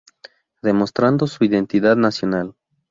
Demostrando su identidad nacional.